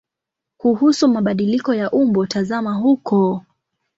Kuhusu mabadiliko ya umbo tazama huko.